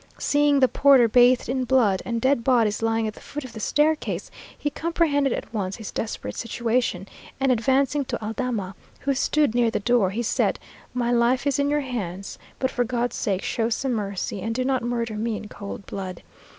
Seeing the porter bathed in blood, and dead bodies lying at the foot of the staircase, he comprehended at once his desperate situation, and advancing to Aldama, who stood near the door, he said, "My life is in your hands; but for God's sake, show some mercy, and do not murder me in cold blood.